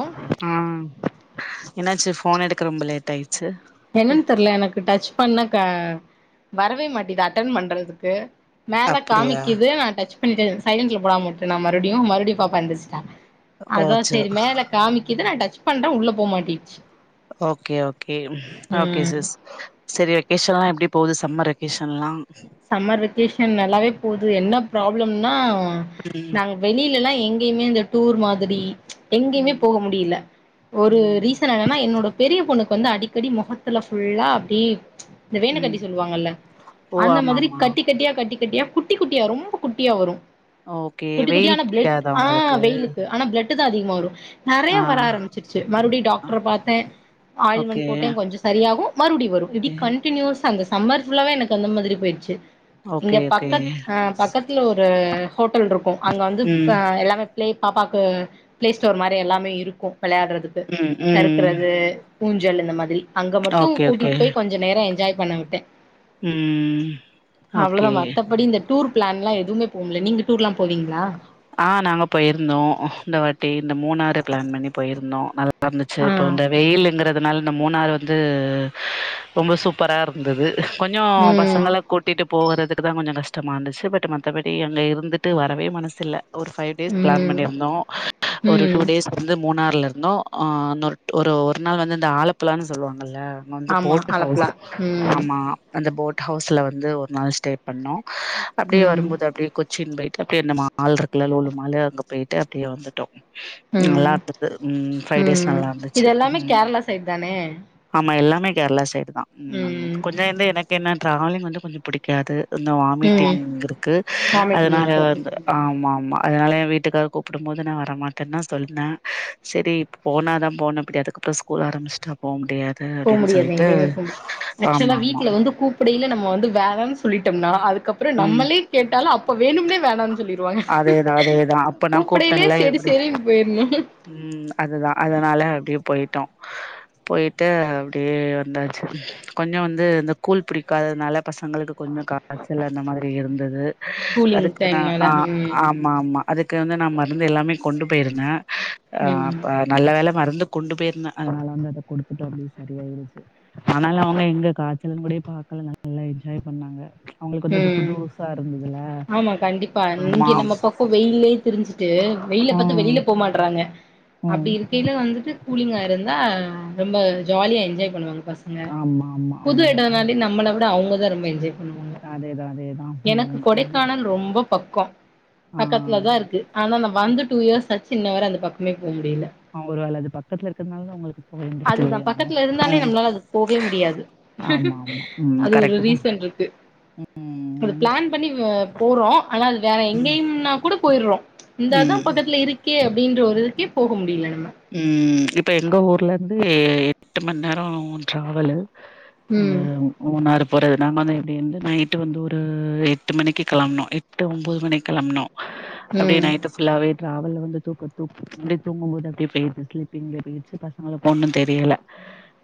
ஒ ஆம் என்னாச்சு ஃபோன் எடுக்க ரொம்ப லேட் ஆயி என்னன்னு தெரியல எனக்கு டச் பண்ண வரவே மாட்டேது அட்டன் பண்றதுக்கு மேல அப்டியா காமிக்குது ஆனா டச் பண்ணிட்டேன் சைலண்ட்ல போடாம விட்டுட்டு நான் மறுபடியும் மறுபடியும் பாப்பா எந்திரிச்சிட்டாங்க அதான் ஓச்சோ சேரி மேல காமிக்குது நான் ட விஷ் பண்ற உள்ள போ மாட்டிச்சு ஓகே ஓ கே ஓகே ம் சிஸ் சரி வெகேசன்ல்லாம் எப்படி போகுது சம்மர் கீ சொல்லாம் சம்மர் வெக்கேஷன் நல்லாவே போகுது என்ன ப்ராப்ளம்னால் ம் நாங்க வெளியிலல்லாம் எங்கயுமே அந்த டூர் மாதிரி எங்கயுமே ம் போக முடியல ஒரு ம் ரீசன் என்னன்னா என்னோட பெரிய பொண்ணுக்கு வந்து அடிக்கடி முகத்துல ஃபுல்லா அப்படி இந்த ம் வேனக்கட்டி சொல்லுவாங்கல்ல ஓ அந்த ஆமா மாதிரி ஆமா கட்டி கட்டியா கட்டி குட்டி குட்டியா ரொம்ப குட்டியா வரும் ஓகே குட்டி குட்டி வெயில் ஆனா பிளட் புடிக்காதா ஆஹ் உங்களுக்கு வெய்லுக்கு ஆனா பிளட் தா அதிகமா வரும் நெறய ஆ வர ஆரம்பிச்சிருச்சு மறுபடியும் ஆ, டாக்டர பார்த்தே ஆயில்மெண்ட் ஓகே போட்டே கொஞ்சம் சரியாகும் மறுபடி வரும் இப்படி கண்டினியூஸா அந்த சமர் புல்லவே எனக்கு அந்த மாரி போயிடுச்சு இங்க ஓகே ஓகே பக்க அஹ் பக்கத்துல ஒரு ஹோட்டல் இருக்கும் அங்க வந்து ம் எல்லாமே பிளே பாப்பாக்கு பிளே ஸ்டோர் மாரி எல்லாமே இருக்கு விளையாடுறதுக்கு ம் ம் சறுக்றது பூஞ்ச சல் இந்த மாதிரி அங்க மட்டும் ஓகே ஓகே கூட்டிட்டு போய் கொஞ்ச நேரொ என்ஜாய் பண்ண விட்டெ ம் அவ்ளோதா ஓகே மத்தபடி இந்த டூர் பிளான்லா எதுவுமே போமுல்ல நீங்க டூர்லாம் ஆஹ் நாங்க போயிருந்தோ இந்த வாட்டி இந்த மூணாறு பிளான் பண்ணி போயிருந்தோ நல்ல ஆந்துச்சு ப்போ ஆ இந்த வெயிலுங்ற அதனால இந்த மூணாறு வந்து ரொம்ப சூப்பரா இருந்துது கொஞ்ஜோ ம் பசங்கள கூட்டிட்டு போகறது தா கொஞ்ஜோ கஷ்டமா இருந்துச்சு பட் மத்தபடி அங்க இருந்துட்டு வரவே மனசில்ல ஒரு ஃபை டேஸ் பிளான் ம் பண்ணிருந்தோ ஒரு டூ ம் டேஸ் வந்து மூணாறுல நொ ஒரு ஒரு நாள் வந்து இந்த ஆலப்புலான்னு சொல்லுவா ல அங்க வந்து ஆமா போட் ஹவுஸ் ஆலப்புழா ம் ஆமா அந்த போட் ஹவுஸ்ள வந்து ஒரு நாள் ஸ்டே பண்ணோ அப்டியே ம் வரும்போது அப்டியே சின் பைட்டு அப்டி என்னம்மா மாள் இருக்குல லூலு மாலு அங்க போயிட்டு அப்டியே வந்துட்டோ நல்லா ம் இருந்துது ஃபை டேஸ் ம் நல்லா இது இருந்துச்சு எல்லாமே ம் கேரளா சைட் தானே ஆமா எல்லாமே கேரளா சைடு ம் கொஞ்ஜோ வந்து எனக்கு என்ன ட்வலிங் வந்து கொஞ்ஜொ புடிக்காது இந்த ம் வாமிட்டிங் இருக்கு வாமிட்டிங் அதனால இருக்கு ம் வந்து ஆமா அதனால என் வீட்டுக்கார் கூப்டும் போது நா வரமாட்டேன்னு சொன்னே சரி இப்போ போன தான் போனேன் அப்டி அதுக்கப்புரொ ஸ்கூல் ஆரமிச்சுட்டா போ முடியாது போ அப்டின்னு முடியாது சொல்லிட்டு எங்கேயுமே போ ஆக்சுவலா ஆமாமா. வீட்டுல வந்து கூப்டையில நம்ம வந்து வேலைன்னு சொல்லிட்டோம்னா அதுக் அப்புரொ ம் நம்மளே வேணும்னே வேணனு சொல்லி அதேதா அதேதா அப்பனா கூப்டேன்ல செரி எப்டி செரின்னு போயிரணு ம் அதுதா அதனால அப்டியே போயிட்டோ போயிட்டு அப்டியே வந்தாச்சு கொஞ்ஜொ வந்து இந்த கூழ் பிடிக்காததுனால பசங்களுக்கு கொஞ்ஜொ காச்சல் அந்த மாதிரி இருந்துது கூலிங் அதுக்கு நா டைம்னால ஆ ஆமா ஆமா அதுக்கு வந்து நான் மருந்து எல்லாமே கொண்டு போயிருந்தேங்க ம் ஆஹ் ம் அப்ப நல்ல வேலை மருந்து கொண்டு போயிருந்தேன் அதனால வந்து அதை கொடுத்துட்டோம் அப்படியே சரிய ஆயிடுச்சு அதனால அவங்க எங்க காய்ச்சலங்கூடே பாக்கலங்க நல்லா என்ஜாய் பண்ணாங்க அவங்களுக்கு வந்து அது உம் புதுசா இருந்ததுல ஆமா கண்டிப்பா ஆமா இங்க நம்ம பக்கம் வெயில்லயே திரிஞ்சுட்டு வெயில பாத்து ம் வெளில போமா பண்றாங்க ம் அப்படி இருக்கைல வந்துட்டு கூலிங்க ஆஹ் இருந்தா ரொம்ப ஜாலியா என்ஜாய் பண்ணுவாங் பசங்க ஆமா ஆமா புது ம் இடனாலே நம்மள விட அவங்க தா அதா ரொம்ப என்ஜாய் பண்ணுவாங்க அதேதான் அதேதான் உம் ஆஹ் பக்கொம் பக்கத்துல தான் இருக்கு ஆனா நா வந்து டூ இயர்ஸ் சின்னவர் அந்த பக்கமே போ முடியல ஒருவேள அது பக்கத்துல இருக்கிறதுனால உங்களுக்கு போக இன்ட்ரெஸ்ட் இல்லையோ அதுதான் என்னவோ. பக்கத்துல இருந்தாலே ம். நம்மளால அது போவே முடியாது ஆமா, ஹ்ம்ம் ஆமா. ம் அது ஒரு கரெக்ட்டு தான். ரீசன் இருக்கு அது ம். பிளான் பண்ணி போறோம் ஆனா அது வேற ம், எங்கேயும்னா கூட போய்ட்றோம் இந்தா ம். தான் பக்கத்துல இருக்கே கே அப்படின்ற ஒரு இதுக்கே போக முடில உம் இப்போ எங்கள் ஊர்லேருந்து எட்டு மணிநேரம் ட்ராவல் அந்த ம் மூ [unintelligible] போறது நாங்க வந்து எப்படி வந்து நைட்டு வந்து ஒரு எட்டு மணிக்கு கெளம்புனோம் எட்டு ஒம்பது மணிக்கு கெளம்புனொ அப்படிய ம் நைட்டு ஃபுல்லாவே டிராவல் வந்து தூக்க தூக்க தூங்கும் போது அப்டியே ஸ்லிப்பிங் போயாச்சு பசங்களுக்கு ஒன்னும் தெரியல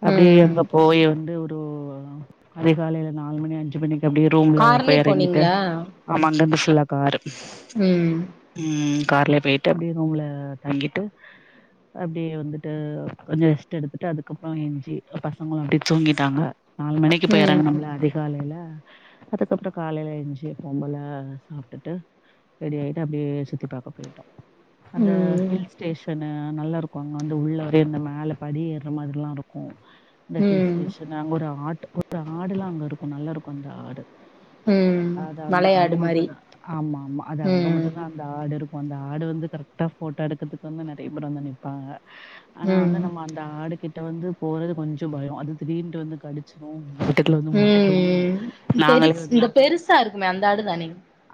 அப்படியே ம் அங்க போய் வந்து டோ வா அதிகாலைல நாலு மணி அஞ்சு மணிக் அப்டியே ரூம்ல கார்லயே போய் எறங்கிட்டு போனீங்களா ஆமா அந்த மிஸ் ல்ல காரு ம் உம் கார்லயே போயிட்டு அப்டியே ரூம்ல தங்கிட்டு அப்டியே வந்துட்டு கொஞ்சோ ரெஸ்ட் எடுத்துட்டு அதுக்கப்புறோ எஞ்சி பசங்களு அப்டியே தூங்கிட்டாங்க நாலு மணிக்கு போய் ம் இறங்கனம்ல அதிகாலைல அதுக்கப்புறோ காலையில எஞ்சி எப்பம்போல சாப்டுட்டு ரெடி ஆயிட்டு அப்டியே சுத்தி பாக்க போயிட்டோ அந்த ம் ஹில்ஸ்டேஷனு நல்லா இருக்கூ அங்க வந்து உள்ள வர இந்த மேல படி ஏறுற மாரில்லா இருக்கூ இந்த ம் ஹில்ஸ்டேஷன் அங்க ஒரு ஆட் ஒரு ஆடுலா அங்க இருக்கூ நல்லா இருக்கூ அந்த ஆடு ம் அது அந்த அங்க மலையாடு மாரி மட்டும்தா ஆமா ஆமா அது அங்க ம் மட்டும்தா அந்த ஆடு இருக் அந்த ஆடு வந்து கரெக்ட்டா போட்டோ எடுக்குறதுக்கு வந்து அந் இப்பறம் மா நிப்பாங்க ஆனா ம் வந்து நம்ம அந்த ஆடுகிட் ட்ட வந்து போறது கொஞ்சோ பயோ அது தீடிர்னுட்டு வந்து கடிச்சிறோ உஹம் நாங்களே பெருஸ் வந்து இந்த பெருசா இருக்குமே அந்த ஆடு தானே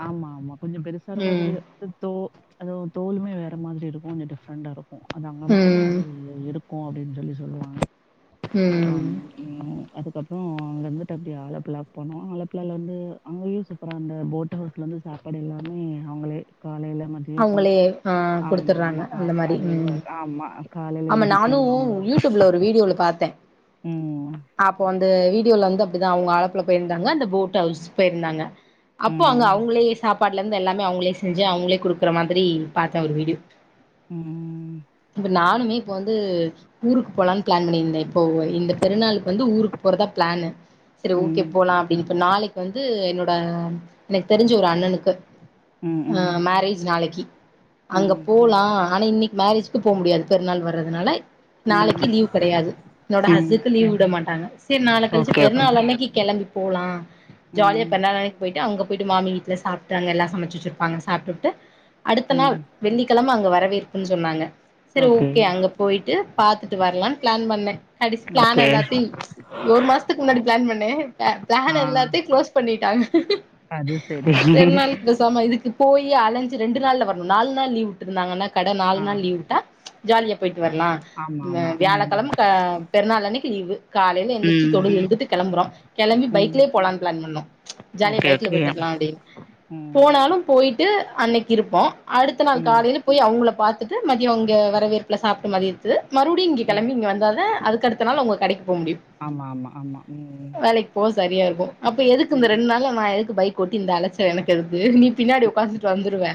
ஆமா ஆமா கொஞ்சோ பெருசாருக்கோ ம் அதோடய தோ அதுவும் தோலுமே வேற மாரி இருக்கோ கொஞ்சோ டிஃப்ரெண்டா இருக் அது அங்க மட்டும்தா ம் அது இருக் இருக்கும் அப்டின்னு சொல்லி சொல்லுவாங்க ம் ஆம் உம் அதுக்கப்புறோ அங்க இருந்துட்டு அப்டியே ஆலப்புழா போனோ ஆலப்புழால இருந்து அங்கேயு சூப்பரா அந்த போட் ஹவுஸ்ல இருந்து சாப்பாடு எல்லாமே அவுங்களே அவுங்களேயே ஆஹ் குடுத்துட்ராங்க ஆமாக்கா அந்தமாரி அது இம் ஆமா காலையில ஆமா எஞ்சி டீ நானு அவங்க யூடூப்ல ஓரு வீடியோல பாத்தே ம் அப்போ அந்த வீடியோல வந் அப்டிதா அவுங்க ஆலப்புலா போயிருந்தாங்க அந்த போட் ஹவுஸ் போயிருந்தாங்க அப்போ அங்க ம் அவுங்களே சாப் சாப்பாடுல இருந்து எல்லாம அவுங்களே செஞ்சி அவுங்கள குடு இருக்கற மாதிரி பாத்தே ஒரு வீடியோ ம் இப்ப நானுமே இப்போ வந்து வந்து ஊருக்கு போலான்னு பிளான் பண்ணியிருந்தே இப்போ இந்த பெருநாளுக்கு வந்து ஊருக்கு போறதா பிளானு சரி ம் ஓகே ம் போகலா அப்டின்னு இப்ப நாளைக்கு வந்து என்னோட எனக்கு தெரிஞ்ச ஒரு அண்ணனுக்கு ம் ஆஹ் மாறி நாளைக்கு அங்க ம் ம் போலாம் ஆனா இன்னைக்கு மேரேஜ்க்கு போக முடியாது பெருநாள்வறதுனால நாளைக்கு லீவ் கிடையாது என்னோட ம் ஹஸ்க்கு லீவ் விட மாட்டாங்க சரி நாள கழிச்சு ஓகே பெரு ஓகே நாள் அன்னைக்கு கிளம்பி போளாம் ஜாலியா ம் பெருள் நாள் அன்னைக்கு போயிட்டு அங்க போயிட்டு மாமி வீட்டல சாப்டு அங்க எல்லாம் சமைச்சு வேச்சிருப்பாங்க சாப்டுட்டு அடுத்த நாள் ம் வெள்ளிக்கிழம அங்க வரவேற்புன்னு சொன்னாங்க சரி ஓகே அங்க போயிட்டு பாத்துட்டு வரலான் பிளான் பண்ணேன் கடிசு பிளான் ஓகே எல்லாத்தியும் ஒரு மாஸ்த்துக்கு முன்னாடி பிளான் பண்ணேன் ஆ பிளான் எல்லாத்தையும் க்ளோஸ் பண்ணிட் [unintelligible] அது சேரி போயி ஆலஞ் ரெண்டு நாள்ல வரும் நாலு நாள் லீவ் விட்ருந்தாங்கன்னா கடை நாலு ஆ நாள் லீவ் விட்டா ஜாலிய போயிட்டு வர்லாம் ஆமா ஆமா ம் வியாழக்கழம்க பெருநாள் அன்னிக் திளிவு காலைல எந்திர்ச்சு ம் தொழுக இழுந்துட்டு கிளம்புறோம் கிளம்பி ம் பைக்லயே போலான்னு பிளான் பண்ணோம் ஜாலியா ஓகே பைக்ல ஓகே போயிட் வரலாம் அப்படின்னு ம் போனாலும் போயி போயிட்டு டு அன்னைக் இருப்போம் அடுத்த நாள் ம் காலையில போய் அவங்கள பார்த்துட்டு மதியம் அங்க வரவேற்புல சாப்ட மதியத்து மறுவ்டியும் இங்கே ம் கிளம்பி இங்கே வந்தாதான் அதுக்கடுத்த நாள் உங்க கிடைக் ஆமா ஆமா ஆமா உம் ம் வேலைக்கு போக சரியா இருக்கும் அப்ப எதுக்கு இந்த ம் ரெண்டு நாள்ல நான் எதுக்கு பைக் கூட்டி இந்த அலைச்ச எனக்கு எதுகு நீ பின்னாடி உக்காந்துட்டு வந்துருவ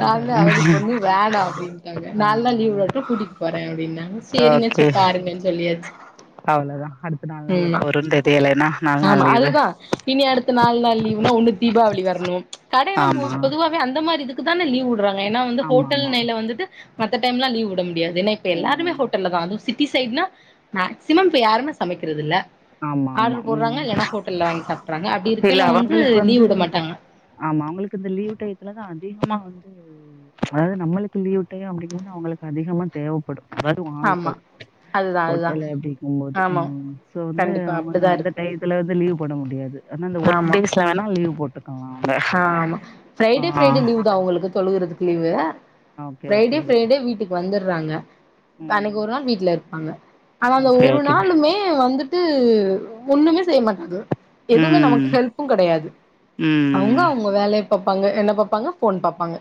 நா தா அதானே அவதி பட்ணும் வேணாம் அப்படின்டாங்க ஆ நாலு நாள் லீவ் விளட்டும் கூட்டிட்டு போறேன் அப்படின்னாங்க செரிங்க ஓகே சரி பாருங்கன்னு சொல்லியாச்சு அவ்ளோதா அடுத்த நாலு நாள் உம் எப்ப வரும்னு தெரியல ஏன்னா நாலு நாள் ஆமா லீவு அதுதான் இனி அடுத்த நாலு நாள் லீவ்னா ஒன்னு தீபாவளி வர்ணும் கடைல்லாம் ஆமா பொதுவாவே அந்த மாரி இதுக் க்குதான லீவ் வுடுறாங்க ஏன்னா வந்து ஆமா ஹோட்டல் ஆமா நைய்ல வந்துட்டு மத்த டைம்லா லீவ் விட முடியத் னப் எல்லாருமே ம் ஹோட்டல்லா த சிட்டி சைட்னா மேக்சிமம் இப்ப யாருமே சமைக்கறது இல்ல ஆமா ஆமா ஆர்டர் போடுறாங்க உம் இல்லன்னா ஹோட்டல்ல வாங்கி சாப்ட்றாங்க அப்டி இல்ல இருக்கையில அவங்களுக்கு லீவ் வந்து விட மாட்டாங்க ஆமா அவங்களுக்கு இந்த லீவு டையத்துலதா அதிகமா வந்து அதாவது நம்மளுக்கு லீவ் டையோ அப்படிங்போது அவங்களுக்கு அதிகமா தேவபடும் அதாவ்து ஆமா ஆள்கள் அதுதா அதுதா ஹோட்டல எப்டிக்கும்போது ஆமா உம் வந்து கண்டிப்பா அவங்க அப்டிதா அந்த இருக்கு டையத்ல அதாவ்து லீவ் போட முடியாது ஏனா இந்த ஒர்க் டேஸ்ல வேணா லீவ் போட்டு ஆஹ் ஆமா ஃப்ரைடே ஆ ஃப்ரைடே லீவு் தா அவங்களுக்கு தொழுறதுக்கு leave okay okay Friday Friday வீட்டுக்கு வந்து றாங்க அன்னைக்கு ம் ஒரு நாள் வீட்டுல இருப்பாங்க ஆனா அந்த ஓகே ஒரு ஓகே நாளுமே வந்துட்டு ஒண்ணுமே செய்ய மாட்டாது எதுவுமே நமக்கு ம் ஹெல்ப்பும் கிடையாது அவங்க ம் அவங்க வேலை பாப்பாங்க என்ன பாப்பாங்க போன் பாப்பாங்க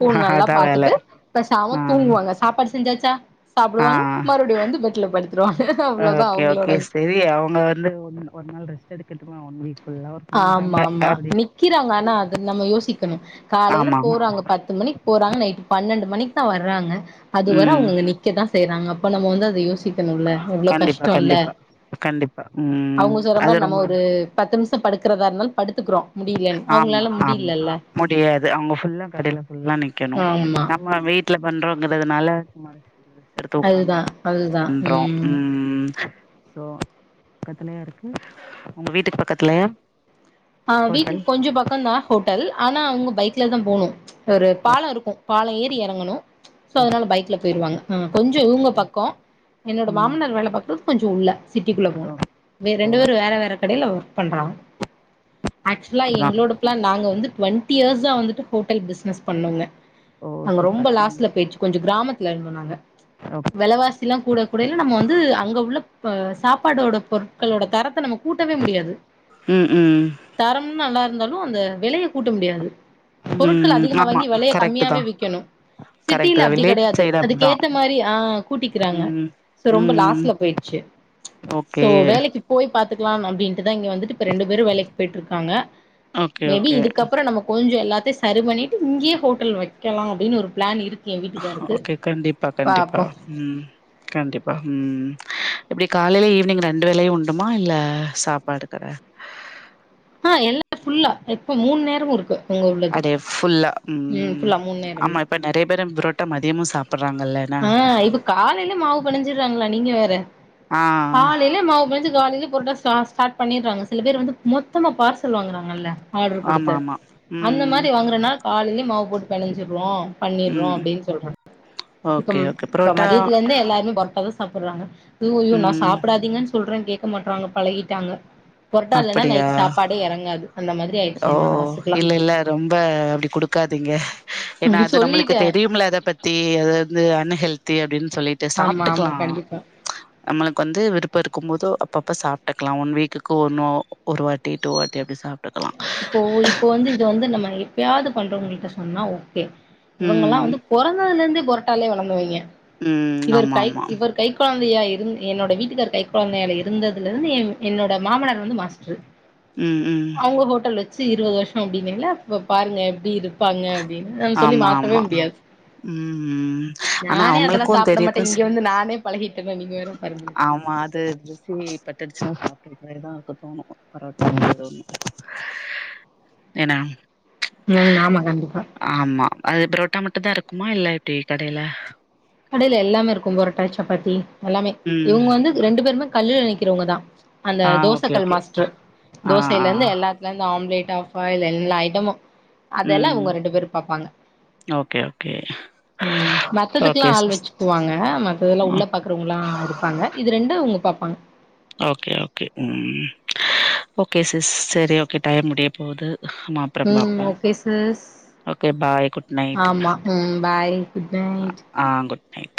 பூன் நல்லா அதா வேல பார்த்துட்டு பேசாம தூங்குவாங்க சாப்பாடு செஞ்சாச்சா சாப்டுவாங்க ஆஹ் மறுபடியு வந்து பெட்ல படுத்துருவாங்க அவ்ளோதா ஓகே அவங்களோட ஓகே சரி அவங்க வந்து ஒ ஒரு நாள் ரெஸ்ட் எக்க [unintelligible] ஆமா ஆமா நிக்கிறாங்க ஆனா அது நம்ம யோசிக்கணும் காலையில ஆமா ஆமா போறாங்க பத்து மணிக்கு போறாங்க நைட்டு பன்னெண்டு மணிக்கு தா வர்றாங்க அது வர ம் அவங்க நிக்கதான் செய்றாங்க அப்ப நம் வந்து அத யோசிக்க ணும்ல்ல எவ்ளவு கண்டிப்பா கஷ்டம் இல்ல கண்டிப்பா கண்டிப்பா ம் அவங்க சொல்ற அது மாதிரி நம்ம ரொம்ப ஒரு பத்துமிஷ இருக்கிறத இருந்தாலு படுத்துக்கிறோ முடியலன்னு ஆமா அவங்களால ஆமா முடியலல்ல முடியாது அவங்க புல்லா கடையில புல்லா நிக்கணும் ஆமா நம்ம வேட் வீட்ல பண்றோங்கிறதுனால [inaudible] உட்கார்ந்து அதுதா அதுதா பண்றோம் ம் உம் சோ பக்கத்தலயா இருக்கு உங்க வீட்டுக்கு பக்கத்துலயா ஆ ஹோட்டல் வீட்டுக்கு கொஞ்ச பக்கந்தா ஹோட்டல் அ னா அவுங்க பைக்லதா போகணு ஒரு பால இருக்கு பால ஏறி எறங்கணு ஸோ அதனால பைக்ல போயிருவாங்க கொஞ்ச இவங்க பக்க என்னோட ம் மாமனார் வேல பாக்கறது கொஞ்ச உள்ள சிட்டிக்குள்ள போகணு வே ஓ ரெண்டு பேரு வேற வேற கடைல ஒர்க் பண்றாங் ஆக்சுவலா எங்களோட பிளான் நாங்க வந்து டுவெண்டி இயர்ஸா வந்துட்டு ஹோட்டல் பிசினஸ் பண்ணோங்க ஓ அங்க சூப்பர் ரொம்ப ம் லாஸ்ல போயிடுச்சு கொஞ்ச கிராமத் லைன் பண்ணாங்க ஓகே வெலவாசிலா கூட கூடைல நம்ம வந்து அங்க உள்ள இப்ப சாப்பாடோட பொருட்களோட தரத் த நம்ம கூட்டவே முடியாது ம் ம் தரம் நல்லாரு ந்தாலு அந்த வெலைய கூட்ட முடியாது பொருட்கள் ம் அதிகமா ஆமா வாங்கி வெலைய கரெக்ட் கம்மியாவே தா விக்கணு கரெக்ட் சிட்டில தா அப்டி வில்லேஜ் கெடையாது சைடு அதுக்கு அப்டிதா ஏத்த மாரி ஆ கூட்டிக்கிறாங்க ம் சோ ரொம்ப ம் லாஸ்ல போயிடுச்சு ஓகே சோ வேலைக்கு போய் பாத் துக்லாம் அப்டின்ட்டுதா இங்க வந்துட்டு இப்ப ரெண்டு பேரும் வேலைக்கு போயிட்ருக்காங்க ஓகே மேபி ஓகே இதுக்கப்புறம் நம்ம கொஞ்சம் எல்லா செரி பண்ணிட்டு இங்கேயே ஹோட்டல் வைக்கலாம் அப்படின்னு ஒரு பிளான் இரு ஓகே கண்டிப்பா கண்டிப்பா ம் ம் கண்டிப்பா ம் எப்படி காலையில ஈவினிங் ரெண்டு வேளையும் உண்டுமா இல்ல சாப்பாடு கடை ஆ எல்லாம் ஃபுல்லா இப்ப மூணு நேரமும் இருக்கு. உங்க உள்ளது அதே ஃபுல்லா ம் ம்ம்ம் ஃபுல்லா மூணு ஆமா இப்ப நிறைய பேரும் புரோ ட்டா மதியமும் சாப் ம் இப்ப காலையில மாவு பெனஞ்சிடறாங்களே நீங்க வேற ஆ காலைல மாவுப் பெனஞ்சு காலையிலே புரோட்டா ஸ்டார்ட் பண்ணிடுறாங்க சில பேர் வந்து மொத்தமா பார்சல் வாங்குறாங்கல்ல ஆர்டரு ஆமா கொடுத்து ஆமா அந்த ம் மாதிரி வாங்குறனா காலையிலேயே மாவு போட்டு பெனஞ்சுசிருவோம் பண்ணிறோம் ம் அப்படின்னு சொல்றாங் இப்ப ஓகே ஓகே இப்ப புரோட்டா மதியத்துல இருந்தே எல்லாரும் பார்சல் அதா சாப்பிடுறாங்க ஓ நா ம் சாப்பிடாதீங்கன்னு சொல்றேன் கேட்க மாட்றாங்க பழகிட்டாங்க. பொரட்டா இல்லைன்னா அப்படியா நைட்டு சாப்பாடே எறங்காது அந்த மாரி ஓ இல்ல இல்ல ரொம்ப அப்டி குடுக்காதீங்க. ஏன்னா அது நம்மளுக்கு சொல்லிட்டே தெரியும்ல அத பத்தி அது வந்து அன்ஹெல்த் தேடுன் சொல்லிட்டு ஆமா ஆமா சாப்பிட்டுக்கலாம் கண்டிப்பா நம்மளுக்கு வந்து விருப்பம் இருக்கும் போது அப்பப்ப சாப்பிட்டுக்கலாம் ஒன் வீக்கு ஒ ஒருவ வாட்டி டூ வாட்டி அப்படி சா இப்போ இப்போ வந்து இது வந்து நம்ம எப்பயாவது பண்றோவங்களிட்ட சொன்னா ஓக்கே இவங்க எல்லா ம் வந்து பொறந்ததுல இருந்து பொரட்டாலே வளந்தவைங்க ம் இவர் ஆமா கை ஆமா இவர் கை குழ குழந்தையா இருந் என்னோட வீட்டுக்காரு கை குழந்தையால இருந்ததுல இருந்து என்னோட மாமனார் வந்து மாஸ்டரு ம் ம் அவங்க ஹோட்டல் வச் ச்சு இருபது வருஷம் அப்படின்னிங்கல இப்போ பாருங்க எப்படி இருப்பாங்க அப்டின்னு நம்ம சொல்லி ஆமா மாத்தவே ஆமா முடியாது ம் ம் ஆனா நானே அதெல்லா அவங்களுக்கு சாப்ட தெரியுது மாட்டே இங்க வந்து நானே பழகிட்டேன்னா நீங்க வேற பாருங்களே ஆமா அது ருசி பட்டுடுச்சுன்னா இதுக்கு முன்னாடிதா தோணும் பரோட்டா [unintelligible] ஏனா ம் ஆமா கண்டிப்பா ஆமா அது புரோட்டா மட்டுதா இருக்குமா இல்ல இப்டி கடைல கடையில எல்லாமே இருக்கும் பொரட்டா சப்பாத்தி எல்லாமே ம் இவங்க வந்து ரெண்டு பேருமே கல்லுல நிக்க இருக்கவங்கதா அந்த ஆ ஓகே தோசக்கல் ஓகே மாஸ்ட்ரு ஆ தோசையில ஆ இருந்து எல்லாத்துல இருந்து ஆம்லேட் ஆஃபாயில் எல்லா ஐட்டமு அதெல்லா ம் இவங்க ரெண்டு பேரும் பாப்பாங்க ஓகே ஓகே ம் மத்ததுக் ஓகே ஆள் சிஸ் வச்சுக்குவாங்க மத்ததுல்லா அ உள்ள பாக்குறவங்காளா இருப்பாங்க இது ரெண்டு ங்க பாப்பாங்க ஓகே ஓகே ம் ஓகே சிஸ் சரி ஓகே டைம் முடிய போது ம் okay sis okay bye good night ஆமா ம் பாய் குட் நைட் ஆ குட் நைட்